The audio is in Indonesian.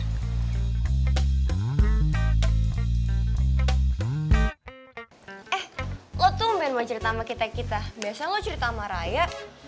eh lo tuh main mau cerita sama kita kita biasa lo cerita sama raya